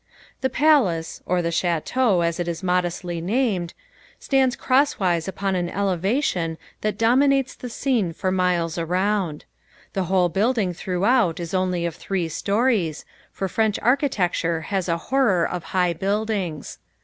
The palace or the Château, as it is modestly named stands crosswise upon an elevation that dominates the scene for miles around. The whole building throughout is only of three stories, for French architecture has a horror of high buildings.